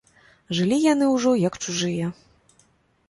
Жылі яны ўжо, як чужыя.